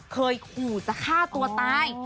เคยขู่จะฆ่าตัวตาย